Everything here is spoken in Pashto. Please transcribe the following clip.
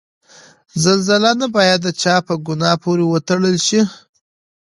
زلزله نه باید د چا په ګناه پورې وتړل شي.